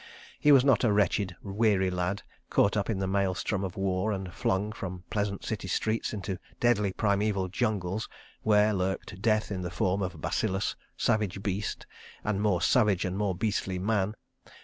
He was not a wretched, weary lad, caught up in the maelstrom of war and flung from pleasant city streets into deadly primeval jungles, where lurked Death in the form of bacillus, savage beast, and more savage and more beastly Man.